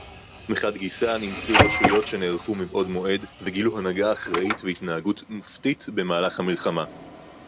מחד גיסא נמצאו רשויות שנערכו מבעוד מועד וגילו הנהגה אחראית והתנהגות מופתית במהלך המלחמה